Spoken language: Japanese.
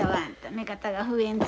目方が増えんと。